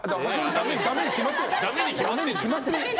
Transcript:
ダメに決まってる。